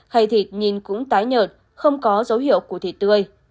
hay thịt nhìn cũng tái nhợt không có dấu hiệu của thịt tươi